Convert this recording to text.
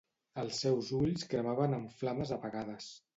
Els seus ulls cremaven amb flames apagades.